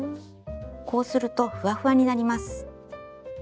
こうするとふわふわになります。